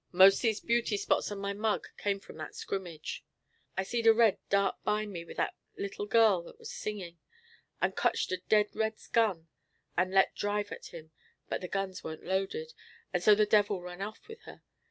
Most these beauty spots on my mug come from that scrimmage. I seed a red dart by me with that little gal as was singin', and cotched a dead red's gun and let drive at him; but the gun weren't loaded, and so the devil run off with her.